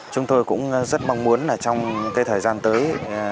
chúng tôi cũng rất mong muốn là trong cái thời gian tới